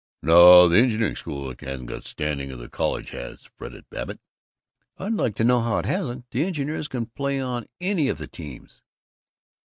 "No, the Engineering School hasn't got the standing the College has," fretted Babbitt. "I'd like to know how it hasn't! The Engineers can play on any of the teams!"